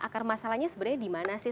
akar masalahnya sebenarnya di mana sih